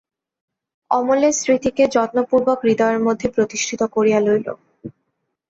অমলের স্বৃতিকে যত্নপূর্বক হৃদয়ের মধ্যে প্রতিষ্ঠিত করিয়া লইল।